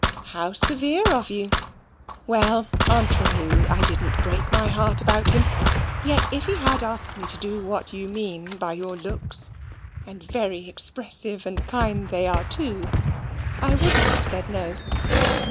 "How severe of you! Well, entre nous, I didn't break my heart about him; yet if he had asked me to do what you mean by your looks (and very expressive and kind they are, too), I wouldn't have said no."